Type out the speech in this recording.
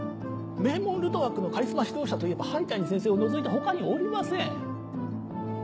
名門ルトワックのカリスマ指導者といえば灰谷先生を除いて他におりません。